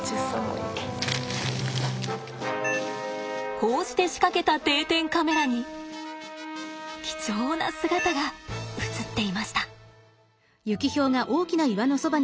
こうして仕掛けた定点カメラに貴重な姿が映っていました。